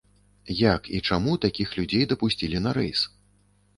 Як і чаму такіх людзей дапусцілі на рэйс?